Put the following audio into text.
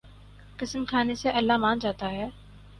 قسم کھانے سے اللہ مان جاتا ہے